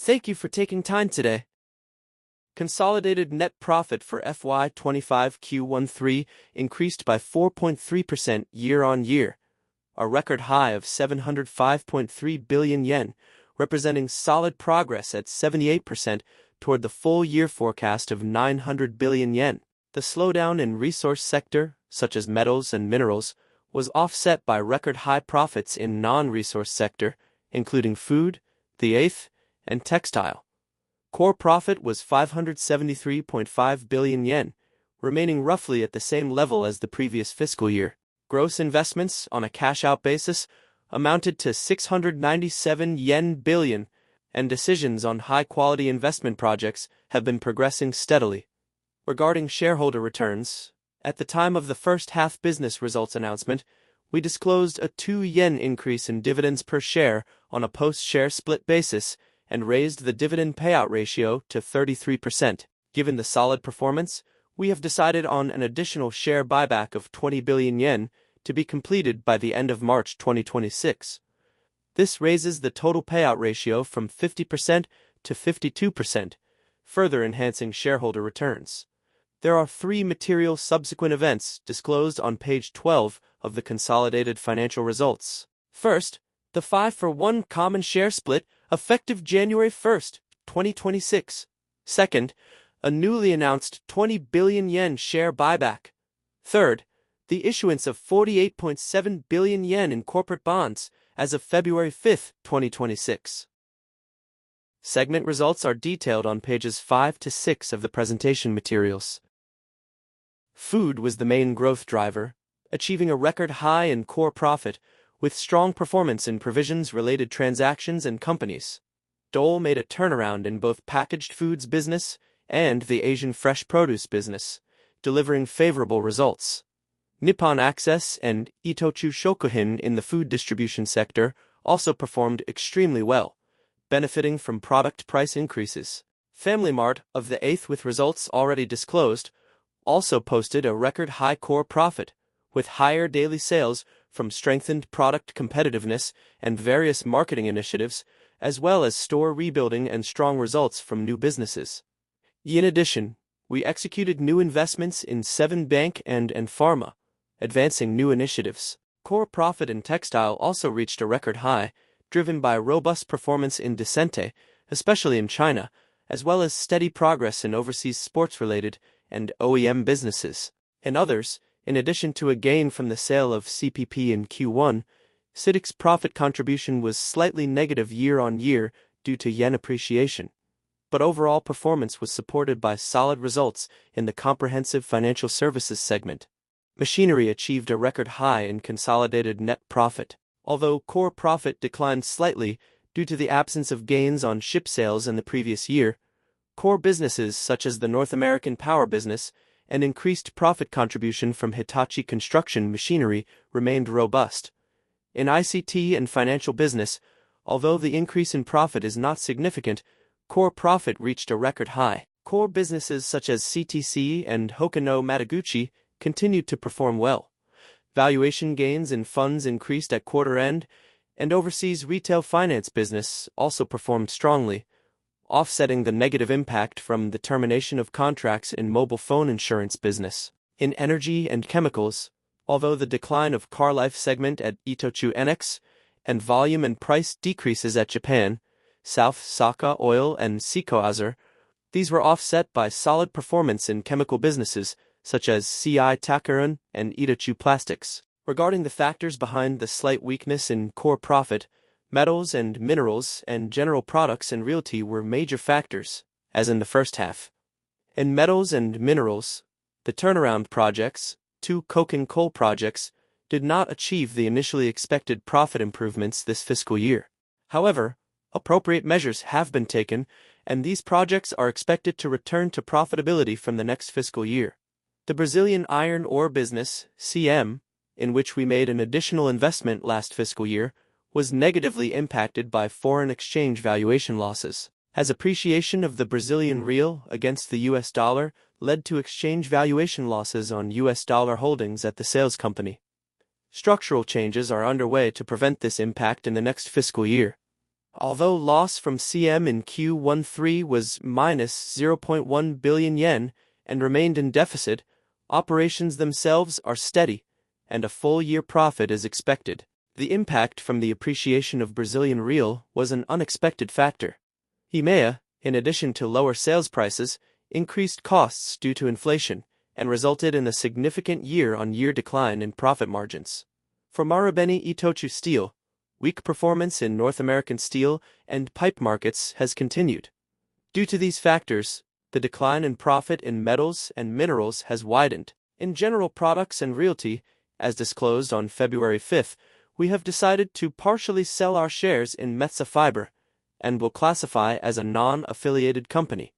Thank you for taking time today. Consolidated net profit for FY 2025 1Q-Q3 increased by 4.3% year-on-year, a record high of 705.3 billion yen, representing solid progress at 78% toward the full-year forecast of 900 billion yen. The slowdown in resource sector, such as metals and minerals, was offset by record-high profits in non-resource sector, including food, The 8th, and textile. Core Profit was 573.5 billion yen, remaining roughly at the same level as the previous fiscal year. Gross investments on a cash-out basis amounted to 697 billion yen, and decisions on high-quality investment projects have been progressing steadily. Regarding shareholder returns, at the time of the first half business results announcement, we disclosed a 2 yen increase in dividends per share on a post-share split basis and raised the dividend payout ratio to 33%. Given the solid performance, we have decided on an additional share buyback of 20 billion yen to be completed by the end of March 2026. This raises the Total Payout Ratio from 50%-52%, further enhancing shareholder returns. There are three material subsequent events disclosed on page 12 of the consolidated financial results. First, the 5-for-1 common share split, effective January 1, 2026. Second, a newly announced 20 billion yen share buyback. Third, the issuance of 48.7 billion yen in corporate bonds as of February 5, 2026. Segment results are detailed on pages 5-6 of the presentation materials. Food was the main growth driver, achieving a record high in Core Profit, with strong performance in provisions-related transactions and companies. Dole made a turnaround in both packaged foods business and the Asian fresh produce business, delivering favorable results. Nippon Access and Itochu-Shokuhin in the food distribution sector also performed extremely well, benefiting from product price increases. FamilyMart of The 8th, with results already disclosed, also posted a record-high core profit, with higher daily sales from strengthened product competitiveness and various marketing initiatives, as well as store rebuilding and strong results from new businesses. In addition, we executed new investments in Seven Bank and PHARMA, advancing new initiatives. Core profit in textile also reached a record high, driven by robust performance in Descente, especially in China, as well as steady progress in overseas sports-related and OEM businesses. In others, in addition to a gain from the sale of CPP in Q1, CITIC's profit contribution was slightly negative year-on-year due to yen appreciation, but overall performance was supported by solid results in the comprehensive financial services segment. Machinery achieved a record high in consolidated net profit. Although core profit declined slightly due to the absence of gains on ship sales in the previous year, core businesses such as the North American power business and increased profit contribution from Hitachi Construction Machinery remained robust. In ICT and financial business, although the increase in profit is not significant, core profit reached a record high. Core businesses such as CTC and Hoken No Madoguchi continued to perform well. Valuation gains in funds increased at quarter end, and overseas retail finance business also performed strongly, offsetting the negative impact from the termination of contracts in mobile phone insurance business. In energy and chemicals, although the decline of car life segment at Itochu Enex, and volume and price decreases at Japan South Saka Oil, and CIECO Azer, these were offset by solid performance in chemical businesses such as C.I. Takiron and Itochu Plastics. Regarding the factors behind the slight weakness in Core Profit, metals and minerals and general products and realty were major factors, as in the first half. In metals and minerals, the turnaround projects two cooking coal projects did not achieve the initially expected profit improvements this fiscal year. However, appropriate measures have been taken, and these projects are expected to return to profitability from the next fiscal year. The Brazilian iron ore business, CM, in which we made an additional investment last fiscal year, was negatively impacted by foreign exchange valuation losses, as appreciation of the Brazilian real against the U.S. dollar led to exchange valuation losses on U.S. dollar holdings at the sales company. Structural changes are underway to prevent this impact in the next fiscal year. Although the loss from CM in Q1-Q3 was -0.1 billion yen and remained in deficit, operations themselves are steady, and a full-year profit is expected. The impact from the appreciation of Brazilian real was an unexpected factor. IMEA, in addition to lower sales prices, increased costs due to inflation and resulted in a significant year-on-year decline in profit margins. For Marubeni-Itochu Steel, weak performance in North American steel and pipe markets has continued. Due to these factors, the decline in profit in metals and minerals has widened. In general products and realty, as disclosed on February fifth, we have decided to partially sell our shares in Metsä Fibre and will classify as a non-affiliated company.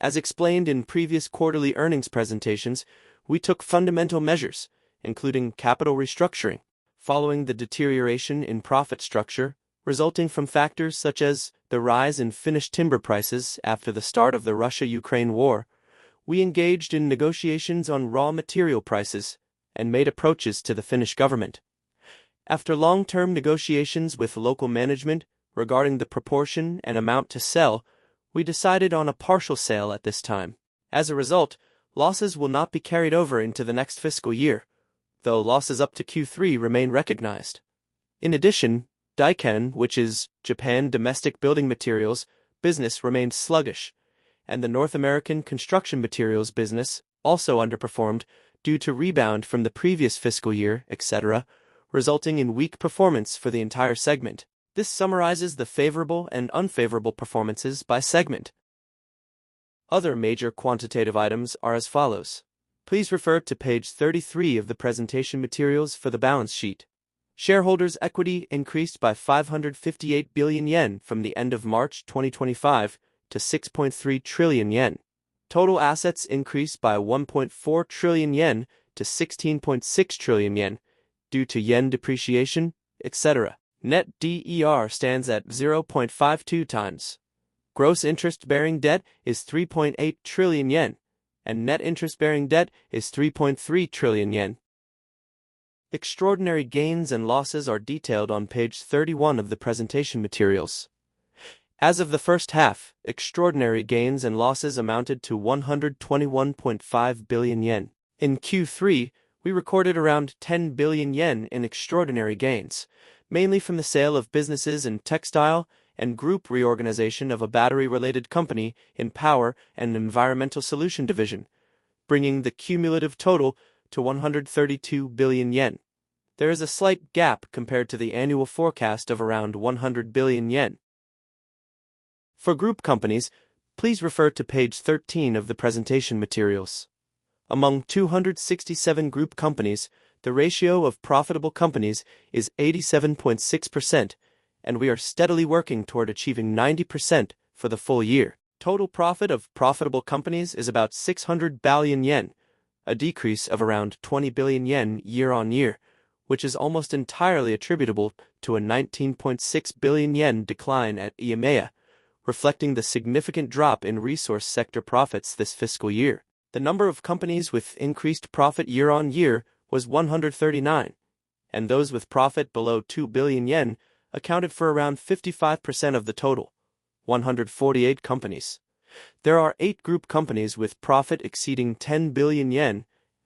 As explained in previous quarterly earnings presentations, we took fundamental measures, including capital restructuring. Following the deterioration in profit structure, resulting from factors such as the rise in Finnish timber prices after the start of the Russia-Ukraine war, we engaged in negotiations on raw material prices and made approaches to the Finnish government. After long-term negotiations with local management regarding the proportion and amount to sell, we decided on a partial sale at this time. As a result, losses will not be carried over into the next fiscal year, though losses up to Q3 remain recognized. In addition, Daiken, which is Japan domestic building materials business, remained sluggish, and the North American construction materials business also underperformed due to rebound from the previous fiscal year, et cetera, resulting in weak performance for the entire segment. This summarizes the favorable and unfavorable performances by segment. Other major quantitative items are as follows: Please refer to page 33 of the presentation materials for the balance sheet. Shareholders' equity increased by 558 billion yen from the end of March 2025 to 6.3 trillion yen. Total assets increased by 1.4 trillion yen to 16.6 trillion yen, due to yen depreciation, et cetera. Net DER stands at 0.52 times. Gross interest-bearing debt is 3.8 trillion yen, and net interest-bearing debt is 3.3 trillion yen. Extraordinary gains and losses are detailed on page 31 of the presentation materials. As of the first half, extraordinary gains and losses amounted to 121.5 billion yen. In Q3, we recorded around 10 billion yen in extraordinary gains, mainly from the sale of businesses in textile and group reorganization of a battery-related company in Power & Environmental Solution Division, bringing the cumulative total to 132 billion yen. There is a slight gap compared to the annual forecast of around 100 billion yen. For group companies, please refer to page 13 of the presentation materials. Among 267 group companies, the ratio of profitable companies is 87.6%, and we are steadily working toward achieving 90% for the full year. Total profit of profitable companies is about 600 billion yen, a decrease of around 20 billion yen year-on-year, which is almost entirely attributable to a 19.6 billion yen decline at IMEA, reflecting the significant drop in resource sector profits this fiscal year. The number of companies with increased profit year-on-year was 139, and those with profit below 2 billion yen accounted for around 55% of the total, 148 companies. There are eight group companies with profit exceeding 10 billion yen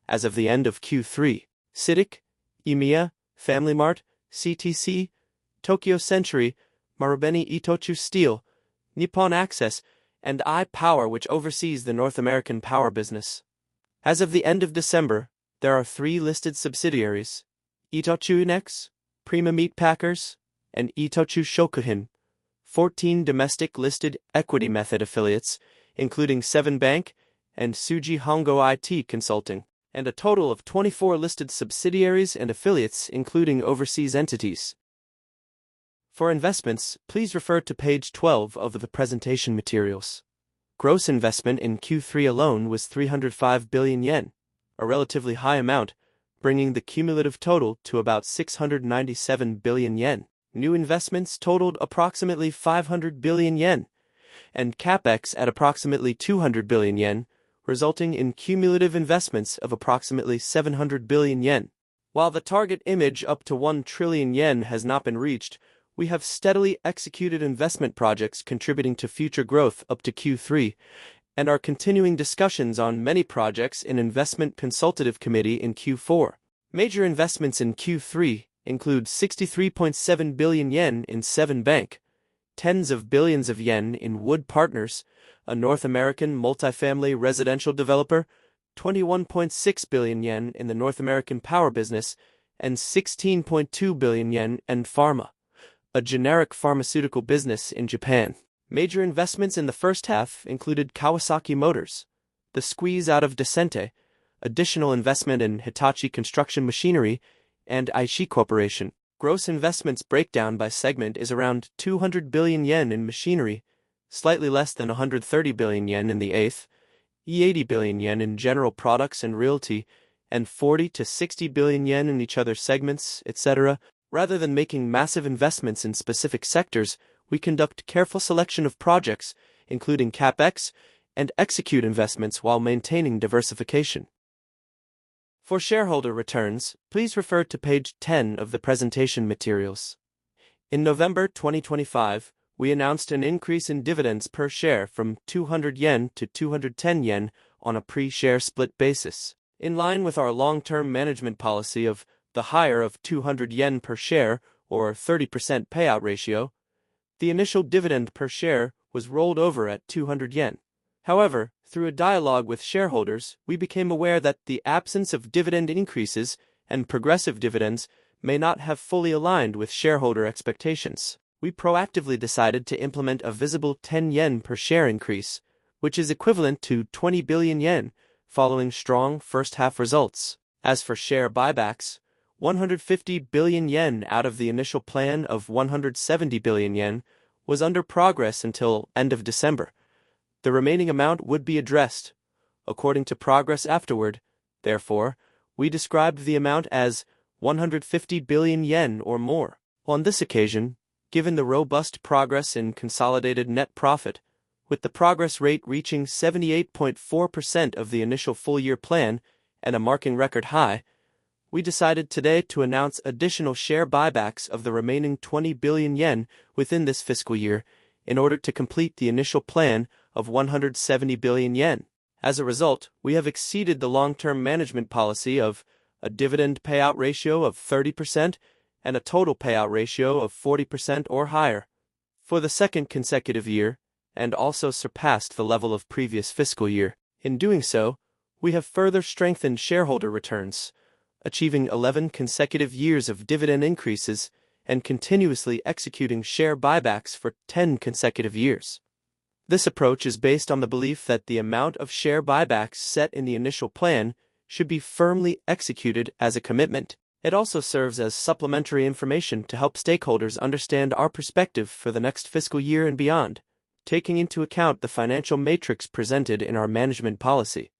as of the end of Q3: CITIC, IMEA, FamilyMart, CTC, Tokyo Century, Marubeni-Itochu Steel, Nippon Access, and I-Power, which oversees the North American power business. As of the end of December, there are three listed subsidiaries: ITOCHU ENEX, Prima Meat Packers, and ITOCHU-SHOKUHIN. 14 domestic-listed equity-method affiliates, including Seven Bank and Tsuji Hongo IT Consulting, and a total of 24 listed subsidiaries and affiliates, including overseas entities. For investments, please refer to page 12 of the presentation materials. Gross investment in Q3 alone was 305 billion yen, a relatively high amount, bringing the cumulative total to about 697 billion yen. New investments totaled approximately 500 billion yen, and CapEx at approximately 200 billion yen, resulting in cumulative investments of approximately 700 billion yen. While the target image up to 1 trillion yen has not been reached, we have steadily executed investment projects contributing to future growth up to Q3 and are continuing discussions on many projects in Investment Consultative Committee in Q4. Major investments in Q3 include 63.7 billion yen in Seven Bank, tens of billions JPY in Wood Partners, a North American multifamily residential developer, 21.6 billion yen in the North American power business, and 16.2 billion yen in Pharma, a generic pharmaceutical business in Japan. Major investments in the first half included Kawasaki Motors, the squeeze out of Descente, additional investment in Hitachi Construction Machinery, and Aichi Corporation. Gross investments breakdown by segment is around 200 billion yen in machinery, slightly less than 130 billion yen in The 8th, 80 billion yen in general products and realty, and 40 billion-60 billion yen in each other segments, et cetera. Rather than making massive investments in specific sectors, we conduct careful selection of projects, including CapEx, and execute investments while maintaining diversification. For shareholder returns, please refer to page 10 of the presentation materials. In November 2025, we announced an increase in dividends per share from 200 yen to 210 yen on a pre-share split basis. In line with our long-term management policy of the higher of 200 yen per share or 30% payout ratio, the initial dividend per share was rolled over at 200 yen. However, through a dialogue with shareholders, we became aware that the absence of dividend increases and progressive dividends may not have fully aligned with shareholder expectations. We proactively decided to implement a visible 10 yen per share increase, which is equivalent to 20 billion yen, following strong first-half results. As for share buybacks, 150 billion yen out of the initial plan of 170 billion yen was under progress until end of December. The remaining amount would be addressed according to progress afterward. Therefore, we described the amount as 150 billion yen or more. On this occasion, given the robust progress in consolidated net profit... With the progress rate reaching 78.4% of the initial full-year plan and marking a record high, we decided today to announce additional share buybacks of the remaining 20 billion yen within this fiscal year in order to complete the initial plan of 170 billion yen. As a result, we have exceeded the long-term management policy of a dividend payout ratio of 30% and a total payout ratio of 40% or higher for the second consecutive year, and also surpassed the level of previous fiscal year. In doing so, we have further strengthened shareholder returns, achieving 11 consecutive years of dividend increases and continuously executing share buybacks for 10 consecutive years. This approach is based on the belief that the amount of share buybacks set in the initial plan should be firmly executed as a commitment. It also serves as supplementary information to help stakeholders understand our perspective for the next fiscal year and beyond, taking into account the financial matrix presented in our management policy.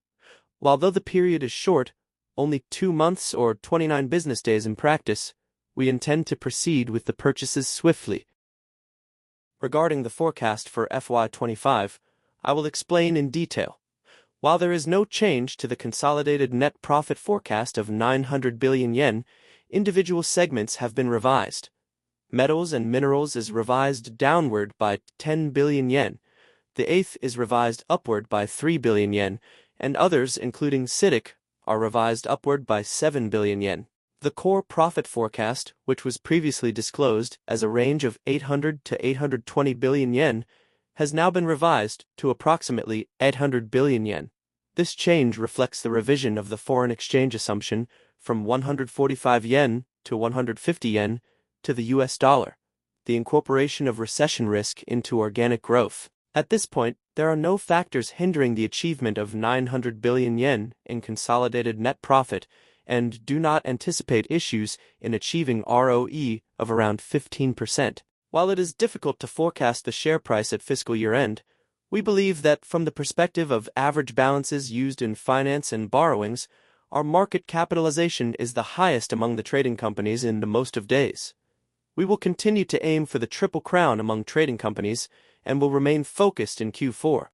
While though the period is short, only two months or 29 business days in practice, we intend to proceed with the purchases swiftly. Regarding the forecast for FY 2025, I will explain in detail. While there is no change to the consolidated net profit forecast of 900 billion yen, individual segments have been revised. Metals and Minerals is revised downward by 10 billion yen. The eighth is revised upward by 3 billion yen, and others, including CITIC, are revised upward by 7 billion yen. The Core Profit forecast, which was previously disclosed as a range of 800 billion-820 billion yen, has now been revised to approximately 800 billion yen. This change reflects the revision of the foreign exchange assumption from 145 yen to 150 yen to the US dollar, the incorporation of recession risk into organic growth. At this point, there are no factors hindering the achievement of 900 billion yen in consolidated net profit and do not anticipate issues in achieving ROE of around 15%. While it is difficult to forecast the share price at fiscal year-end, we believe that from the perspective of average balances used in finance and borrowings, our market capitalization is the highest among the trading companies in the most of days. We will continue to aim for the triple crown among trading companies and will remain focused in Q4.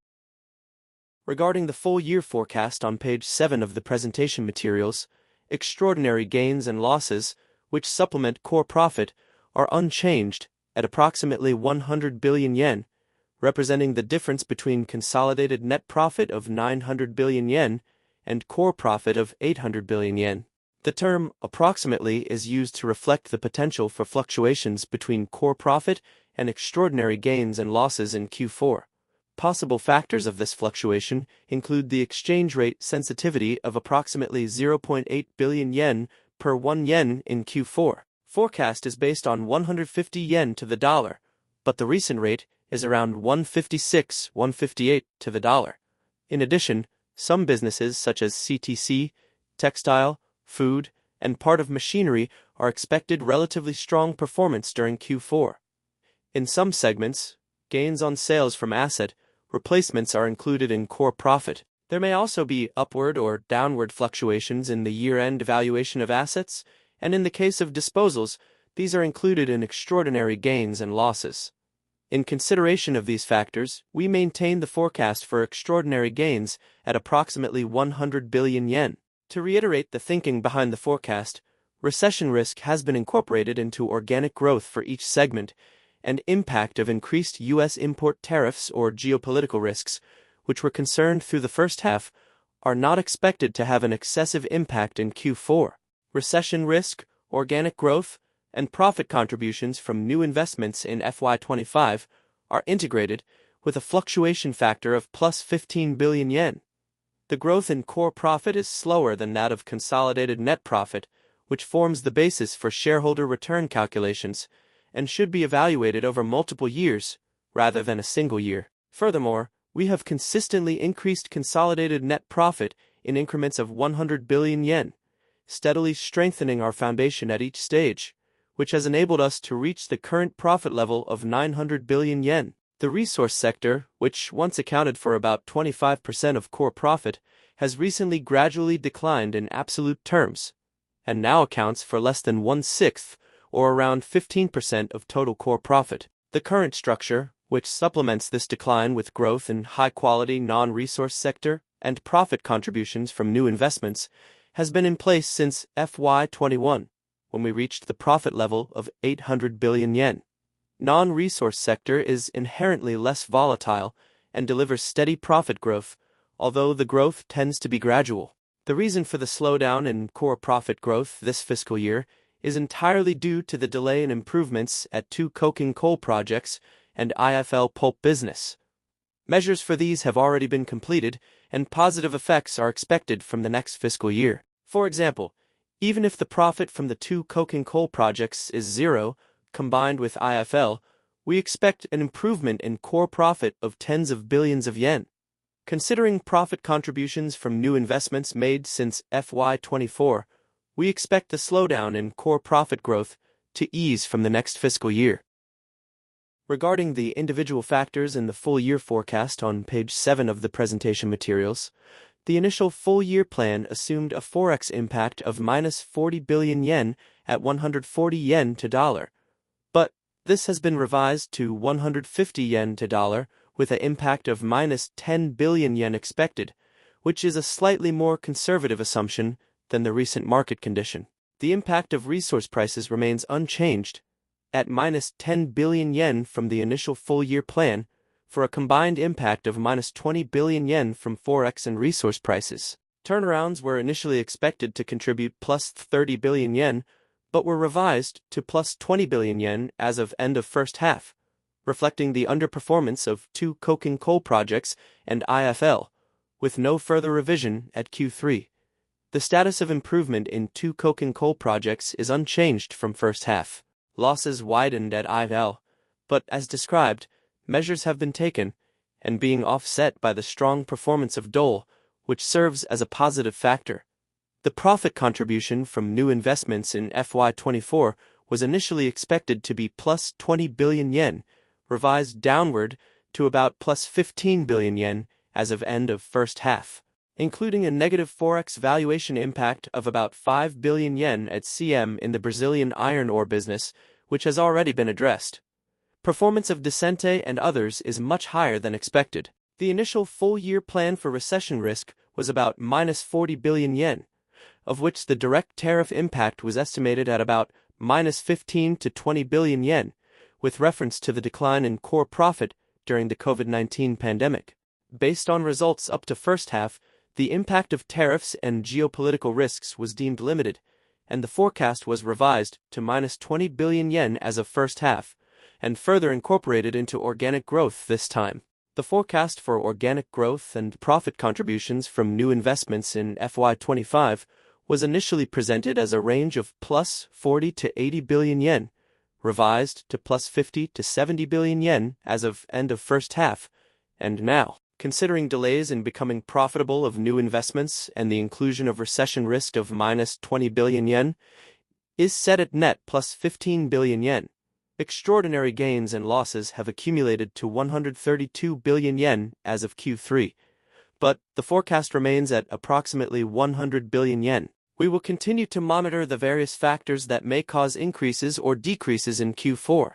Regarding the full-year forecast on page 7 of the presentation materials, extraordinary gains and losses, which supplement Core Profit, are unchanged at approximately 100 billion yen, representing the difference between consolidated net profit of 900 billion yen and Core Profit of 800 billion yen. The term approximately is used to reflect the potential for fluctuations between Core Profit and extraordinary gains and losses in Q4. Possible factors of this fluctuation include the exchange rate sensitivity of approximately 0.8 billion yen per 1 yen in Q4. Forecast is based on 150 yen to the dollar, but the recent rate is around 156, 158 to the dollar. In addition, some businesses such as CTC, Textile, Food, and part of Machinery are expected relatively strong performance during Q4. In some segments, gains on sales from asset replacements are included in Core Profit. There may also be upward or downward fluctuations in the year-end valuation of assets, and in the case of disposals, these are included in extraordinary gains and losses. In consideration of these factors, we maintain the forecast for extraordinary gains at approximately 100 billion yen. To reiterate the thinking behind the forecast, recession risk has been incorporated into organic growth for each segment, and impact of increased US import tariffs or geopolitical risks, which were concerned through the first half, are not expected to have an excessive impact in Q4. Recession risk, organic growth, and profit contributions from new investments in FY 2025 are integrated with a fluctuation factor of +15 billion yen. The growth in Core Profit is slower than that of consolidated net profit, which forms the basis for shareholder return calculations and should be evaluated over multiple years rather than a single year. Furthermore, we have consistently increased consolidated net profit in increments of 100 billion yen, steadily strengthening our foundation at each stage, which has enabled us to reach the current profit level of 900 billion yen. The resource sector, which once accounted for about 25% of Core Profit, has recently gradually declined in absolute terms and now accounts for less than one-sixth or around 15% of total Core Profit. The current structure, which supplements this decline with growth in high-quality non-resource sector and profit contributions from new investments, has been in place since FY 2021, when we reached the profit level of 800 billion yen. Non-resource sector is inherently less volatile and delivers steady profit growth, although the growth tends to be gradual. The reason for the slowdown in Core Profit growth this fiscal year is entirely due to the delay in improvements at two Coking Coal projects and IFL pulp business. Measures for these have already been completed, and positive effects are expected from the next fiscal year. For example, even if the profit from the two Coking Coal projects is zero, combined with IFL, we expect an improvement in Core Profit of JPY tens of billions. Considering profit contributions from new investments made since FY 2024, we expect the slowdown in Core Profit growth to ease from the next fiscal year. Regarding the individual factors in the full-year forecast on page 7 of the presentation materials, the initial full-year plan assumed a Forex impact of -40 billion yen at 140 yen to the USD.... But this has been revised to 150 yen to dollar, with an impact of -10 billion yen expected, which is a slightly more conservative assumption than the recent market condition. The impact of resource prices remains unchanged at -10 billion yen from the initial full-year plan, for a combined impact of -20 billion yen from forex and resource prices. Turnarounds were initially expected to contribute +30 billion yen, but were revised to +20 billion yen as of end of first half, reflecting the underperformance of two coking coal projects and IFL, with no further revision at Q3. The status of improvement in two coking coal projects is unchanged from first half. Losses widened at IFL, but as described, measures have been taken and being offset by the strong performance of Dole, which serves as a positive factor. The profit contribution from new investments in FY 2024 was initially expected to be +20 billion yen, revised downward to about +15 billion yen as of end of first half, including a negative forex valuation impact of about 5 billion yen at CM in the Brazilian iron ore business, which has already been addressed. Performance of DESCENTE and others is much higher than expected. The initial full-year plan for recession risk was about -40 billion yen, of which the direct tariff impact was estimated at about -15 billion to -20 billion yen, with reference to the decline in Core Profit during the COVID-19 pandemic. Based on results up to first half, the impact of tariffs and geopolitical risks was deemed limited, and the forecast was revised to -20 billion yen as of first half and further incorporated into organic growth this time. The forecast for organic growth and profit contributions from new investments in FY 2025 was initially presented as a range of 40 billion-80 billion yen, revised to 50 billion-70 billion yen as of end of first half, and now, considering delays in becoming profitable of new investments and the inclusion of recession risk of -20 billion yen, is set at net +15 billion yen. Extraordinary gains and losses have accumulated to 132 billion yen as of Q3, but the forecast remains at approximately 100 billion yen. We will continue to monitor the various factors that may cause increases or decreases in Q4.